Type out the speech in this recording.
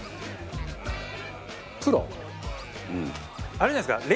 あれじゃないですか？